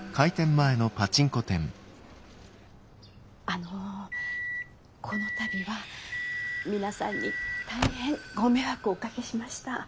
あのこの度は皆さんに大変ご迷惑をおかけしました。